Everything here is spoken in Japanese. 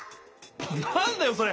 なんだよそれ！